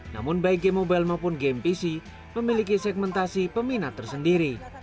namun baik game mobile maupun game pc memiliki segmentasi peminat tersendiri